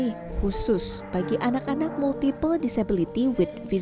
siswanya saat ini berjumlah sepuluh orang diantaranya penyandang disabilitas netra dengan gangguan autisme